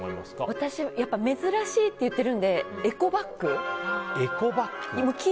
私はやっぱり珍しいと言っているのでエコバッグ。